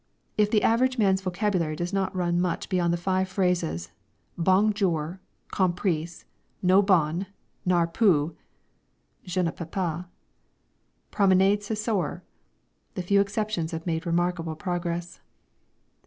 If the average man's vocabulary does not run much beyond the five phrases, "Bong jour!" "Compris?" "No bon!" "Nar poo!" ("Je ne peux pas!") "Promenade ce soir?" the few exceptions have made remarkable progress.